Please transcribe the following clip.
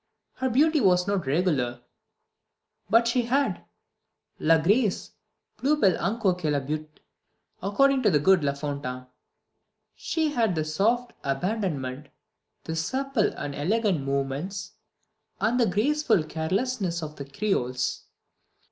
Her beauty was not regular, but she had 'La grace, plus belle encore que la beaute', according to the good La Fontaine. She had the soft abandonment, the supple and elegant movements, and the graceful carelessness of the creoles.